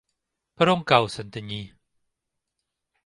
Per on cau Santanyí?